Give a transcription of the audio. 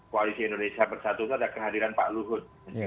koalisi indonesia bersatu itu ada kehadiran pak luhut